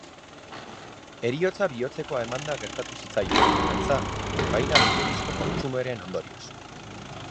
Heriotza bihotzekoa emanda gertatu zitzaion, antza, kokaina gehiegizko kontsumoaren ondorioz.